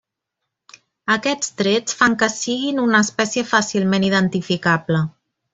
Aquests trets fan que siguin una espècie fàcilment identificable.